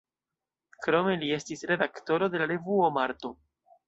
Krome li estis redaktoro de la revuo „Marto“.